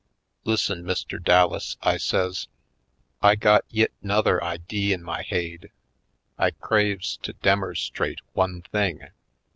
"Lis'sen, Mr. Dallas," I says, "I got yit 'nother idee in my haid — I craves to demer strate one thing!